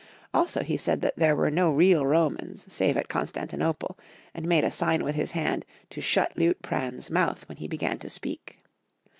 Also, he said that there were n6 real Romans save at Constantinople, and made a sign with his hand to shut Liutprand's mouth when he began to speak.